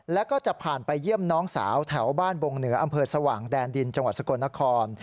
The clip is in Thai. แล้วก็จะผ่านไปเยี่ยมน้องสาวแถวบ้านบงเหนืออำเภอสว่างแดนดินจังหวัดสกลนคร